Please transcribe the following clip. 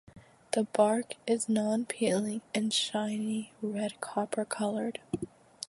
The bark is non-peeling and shiny red-copper colored.